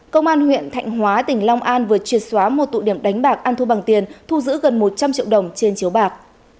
công an huyện thạnh hóa tỉnh long an vừa triệt xóa một tụ điểm đánh bạc ăn thua bằng tiền thu giữ gần một trăm linh triệu đồng trên chiếu bạc